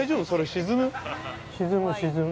◆沈む沈む。